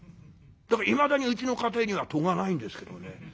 だからいまだにうちの家庭には戸がないんですけどね。